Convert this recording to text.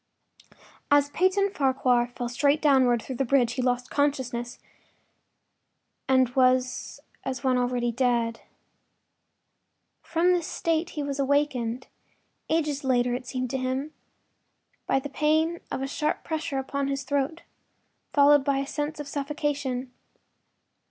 III As Peyton Farquhar fell straight downward through the bridge he lost consciousness and was as one already dead. From this state he was awakened—ages later, it seemed to him—by the pain of a sharp pressure upon his throat, followed by a sense of suffocation.